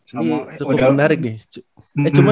ini cukup menarik nih